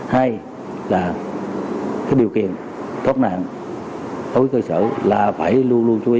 hai là cái điều kiện thoát nạn ối cơ sở là phải luôn luôn chú ý